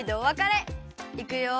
いくよ